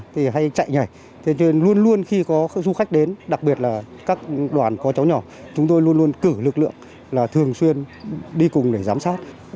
tuy nhiên luôn luôn khi có du khách đến đặc biệt là các đoàn có cháu nhỏ chúng tôi luôn luôn cử lực lượng là thường xuyên đi cùng để giám sát